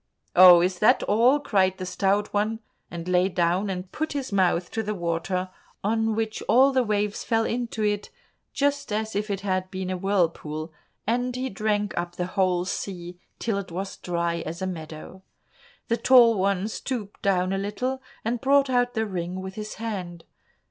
"Oh, is that all!" cried the Stout One, and lay down and put his mouth to the water, on which all the waves fell into it just as if it had been a whirlpool, and he drank up the whole sea till it was as dry as a meadow. The Tall One stooped down a little, and brought out the ring with his hand.